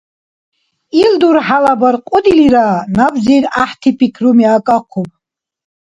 Ил дурхӏяла баркьудилира набзир гӏяхӏти пикруми акӏахъуб.